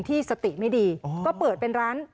ที่สติไม่ดีก็เปิดเป็นร้าน